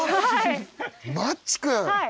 マッチ君！